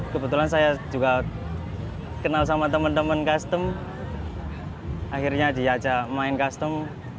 kebetulan saya juga kenal sama teman teman custom akhirnya diajak main custom